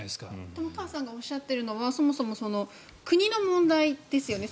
玉川さんがおっしゃっているのはそもそも国の問題ですよね。